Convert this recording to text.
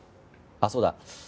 あっそうだ。